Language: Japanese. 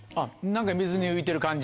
水に浮いてる感じ？